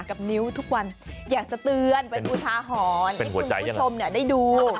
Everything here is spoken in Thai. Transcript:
กับนิ้วทุกวันอยากจะเตือนเป็นอุทาหรณ์ให้คุณผู้ชมได้ดู